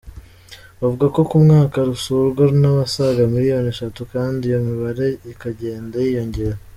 Bavuga ko ku mwaka rusurwa n’abasaga miliyoni eshatu kandi iyo mibare ikagenda yiyongera.